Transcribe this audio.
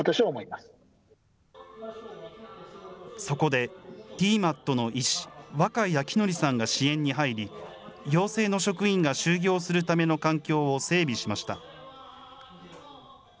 そこで、ＤＭＡＴの医師、若井聡智さんが支援に入り、陽性の職員が就業するための環境を整備しました。